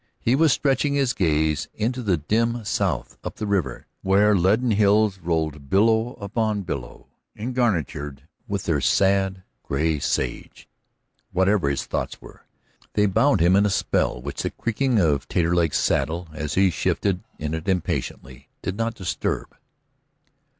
He was stretching his gaze into the dim south up the river, where leaden hills rolled billow upon billow, engarnitured with their sad gray sage. Whatever his thoughts were, they bound him in a spell which the creaking of Taterleg's saddle, as he shifted in it impatiently, did not disturb.